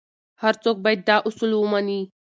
هر څوک باید دا اصول ومني.